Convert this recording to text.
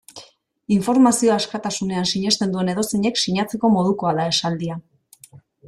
Informazioa askatasunean sinesten duen edozeinek sinatzeko modukoa da esaldia.